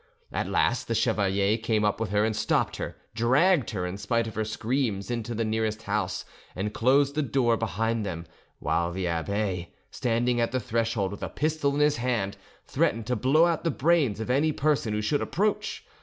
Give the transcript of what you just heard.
At last the chevalier came up with her, stopped her, dragged her, in spite of her screams, into the nearest house, and closed the door behind them, while the abbe, standing at the threshold with a pistol in his hand, threatened to blow out the brains of any person who should approach.